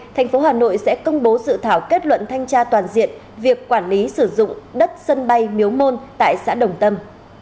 thành phố hà nội sẽ công bố dự thảo kết luận thanh tra toàn diện việc quản lý sử dụng đất sân bay miếu môn tại xã đồng tâm